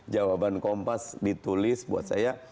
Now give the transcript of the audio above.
jawaban kompas ditulis buat saya